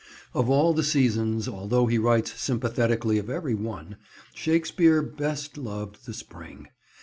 Of all the seasons, although he writes sympathetically of every one, Shakespeare best loved the spring.